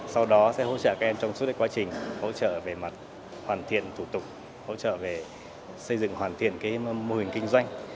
sau đó sẽ hỗ trợ các em trong suốt quá trình hỗ trợ về mặt hoàn thiện thủ tục hỗ trợ về xây dựng hoàn thiện mô hình kinh doanh